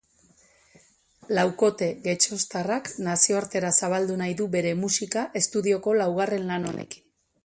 Laukote getxoztarrak nazioartera zabaldu nahi du bere musika estudioko laugarren lan honekin.